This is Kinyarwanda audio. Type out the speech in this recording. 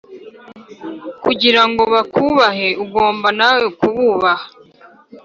kugira ngo bakubahe ugomba nawe kububaha